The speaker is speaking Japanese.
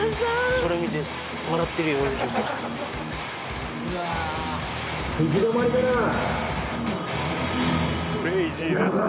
それ見て笑ってるよ吉田さん